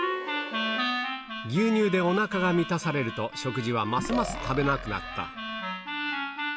牛乳でおなかが満たされると、食事はますます食べなくなった。